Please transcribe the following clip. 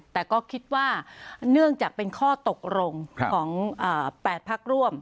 แต่ก็คิดว่าเนื่องจากเป็นข้อตกลงของ๘พักร่วม